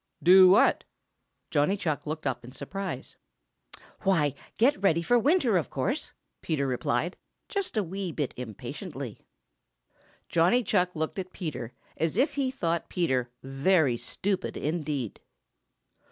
"Do what?" Johnny Chuck looked up in surprise. "Why, get ready for winter, of course," Peter replied, just a wee bit impatiently. Johnny Chuck looked at Peter as if he thought Peter very stupid indeed.